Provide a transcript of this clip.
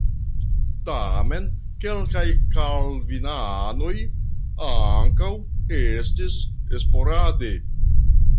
Tamen kelkaj kalvinanoj ankaŭ estis sporade.